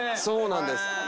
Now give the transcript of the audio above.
そうなんです。